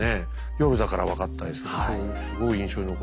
夜だから分かったですけどすごい印象に残りましたね。